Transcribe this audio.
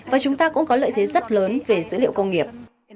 và chúng ta cũng có lợi thế rất lớn về dữ liệu công nghiệp